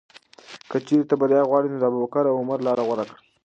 که چېرې ته بریا غواړې، نو د ابوبکر او عمر لاره غوره کړه.